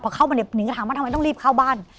พอเข้ามาเนี่ยนิงก็ถามว่าทำไมต้องรีบเข้าบ้าน